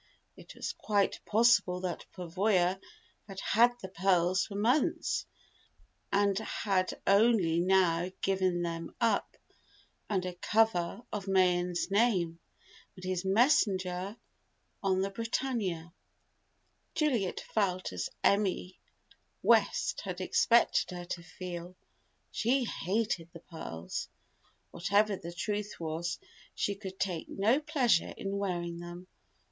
It was quite possible that Pavoya had had the pearls for months, and had only now given them up, under cover of Mayen's name, and his messenger on the Britannia. Juliet felt as Emmy West had expected her to feel: She hated the pearls! Whatever the truth was, she could take no pleasure in wearing them.